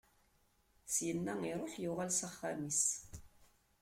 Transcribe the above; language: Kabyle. Syenna, iṛuḥ, yuɣal s axxam-is.